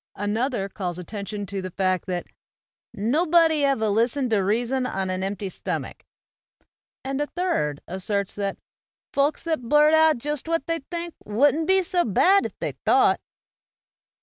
Another calls attention to the fact that "nobuddy ever listened t' reason on an empty stomach." And a third asserts that "folks that blurt out jist what they think wouldn't be so bad if they thought."